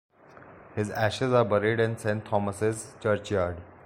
His ashes are buried in Saint Thomas's churchyard.